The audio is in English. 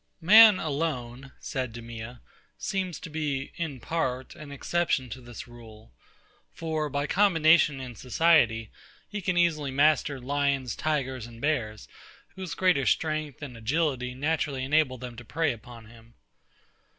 Man alone, said DEMEA, seems to be, in part, an exception to this rule. For by combination in society, he can easily master lions, tigers, and bears, whose greater strength and agility naturally enable them to prey upon him.